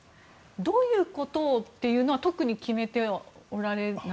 どういうことをっていうのは特に決めておられない？